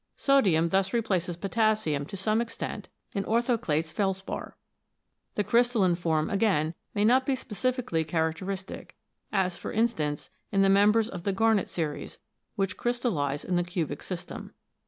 Sodium thus replaces potassium to some extent in orthoclase felspar. The crystalline form, again, may not be specifically charac teristic, as, for instance, in the members of the garnet series, which crystallise in the cubic system.